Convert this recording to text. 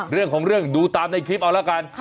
เรื่องของเรื่องดูตามในคลิปเอาละกัน